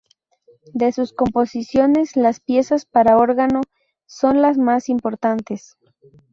De sus composiciones, las piezas para órgano son las más importantes.